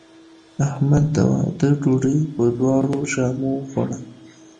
احمد د واده ډوډۍ په دواړو ژامو وخوړه.